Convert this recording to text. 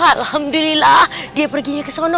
alhamdulillah dia perginya ke sana